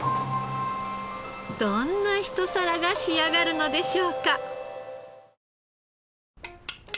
どんなひと皿が仕上がるのでしょうか？